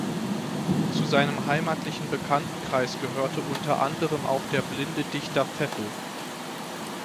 Zu seinem heimatlichen Bekanntenkreis gehörte unter anderem auch der blinde Dichter Pfeffel.